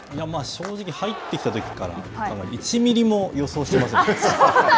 正直、入ってきたときから１ミリも予想していませんでした。